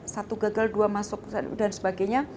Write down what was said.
satu gagal dua masuk dan sebagainya